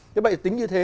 thế bây giờ tính như thế